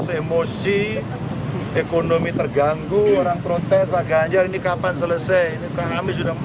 emosi ekonomi terganggu orang protes bagian ini kapan selesai